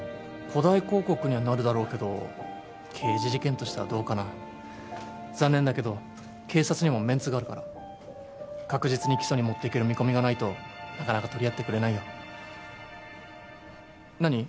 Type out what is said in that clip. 誇大広告にはなるだろうけど刑事事件としてはどうかな残念だけど警察にもメンツがあるから確実に起訴にもっていける見込みがないとなかなか取り合ってくれないよ何？